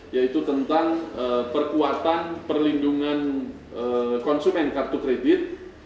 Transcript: yaitu tentang perkuatan perlindungan konsumen kartu kredit